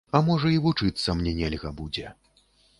А можа і вучыцца мне нельга будзе.